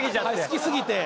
好きすぎて。